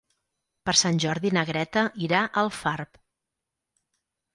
Per Sant Jordi na Greta irà a Alfarb.